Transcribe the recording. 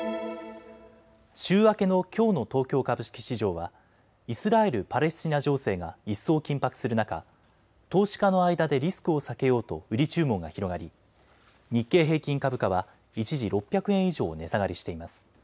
週明けのきょうの東京株式市場はイスラエル・パレスチナ情勢が一層、緊迫する中、投資家の間でリスクを避けようと売り注文が広がり日経平均株価は一時６００円以上値下がりしています。